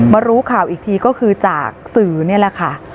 รู้ข่าวอีกทีก็คือจากสื่อนี่แหละค่ะ